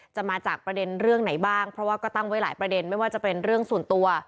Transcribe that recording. มาจากประเด็นเรื่องไหนบ้างเพราะว่าก็ตั้งไว้หลายประเด็นไม่ว่าจะเป็นเรื่องส่วนตัว